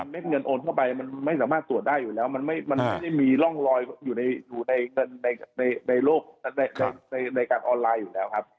เด็ดเงินโอนเข้าไปมันไม่สามารถตรวจได้อยู่แล้วมันไม่ได้มีร่องรอยอยู่ในโลกในการออนไลน์อยู่แล้วครับ